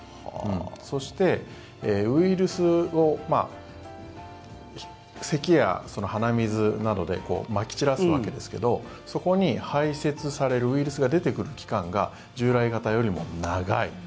そして、ウイルスをせきや鼻水などでまき散らすわけですけどそこに排せつされるウイルスが出てくる期間が従来型よりも長い。